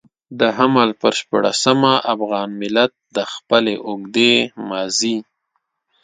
د حمل پر شپاړلسمه افغان ملت د خپلې اوږدې ماضي.